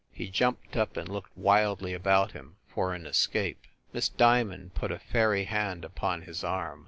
He jumped up and looked wildly about him for an es cape. Miss Diamond put a fairy hand upon his arm.